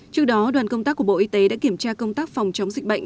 trước đó đoàn công tác của bộ y tế đã kiểm tra công tác phòng chống dịch bệnh